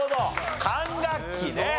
管楽器ね。